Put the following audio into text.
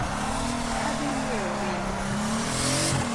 Adhi ng'iewo ring'o